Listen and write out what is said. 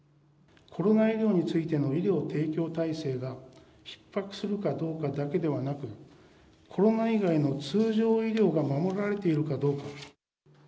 コロナ医療についての医療提供体制がひっ迫するかどうかだけではなく、コロナ以外の通常医療が守られているかどうか。